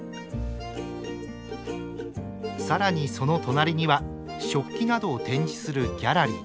更にその隣には食器などを展示するギャラリー。